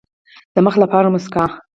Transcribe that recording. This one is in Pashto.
د مخ لپاره موسکا.